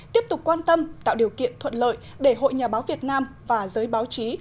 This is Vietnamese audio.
tiếp tục quan tâm tạo điều kiện thuận lợi để hội nhà báo việt nam và giới báo chí